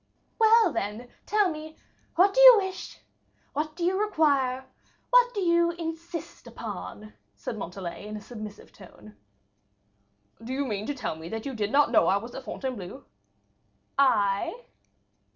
"Well, then, tell me, what do you wish, what do you require, what do you insist upon?" said Montalais, in a submissive tone. "Do you mean to tell me that you did not know I was at Fontainebleau?" "I?"